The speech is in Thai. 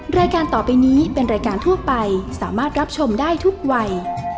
รายการต่อไปนี้เป็นรายการทั่วไปสามารถรับชมได้ทุกวัย